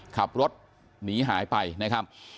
ขับรถหนีหายไปนะครับ